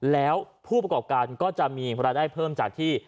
แล้วผู้ประกอบการก็จะมีรายได้เพิ่มจากที่